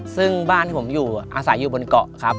ซึ่งบ้านที่ผมอยู่อาศัยอยู่บนเกาะครับ